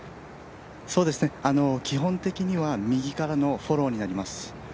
基本的には右からのフォローになります。